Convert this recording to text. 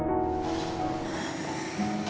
mas aku mau pergi